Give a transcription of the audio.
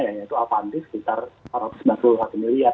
yaitu avanti sekitar rp satu ratus sembilan puluh satu miliar